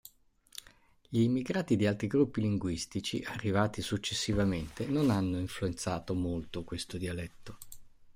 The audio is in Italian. Gli immigrati di altri gruppi linguistici arrivati successivamente non hanno influenzato molto questo dialetto.